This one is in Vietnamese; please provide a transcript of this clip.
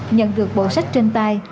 nhận được bộ sách trên tay